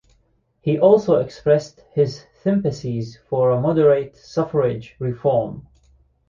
He also expressed his sympathies for a moderate suffrage reform.